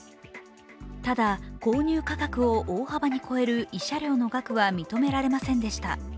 ただ購入価格を大幅に超える慰謝料の額は認められませんでした。